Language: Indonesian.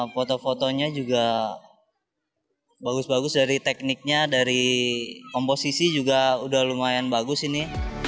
foto fotonya juga bagus bagus dari tekniknya dari komposisi juga udah lumayan bagus ini